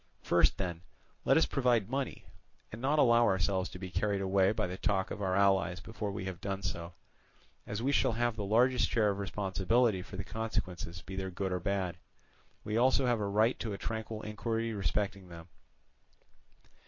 First, then, let us provide money, and not allow ourselves to be carried away by the talk of our allies before we have done so: as we shall have the largest share of responsibility for the consequences be they good or bad, we have also a right to a tranquil inquiry respecting them.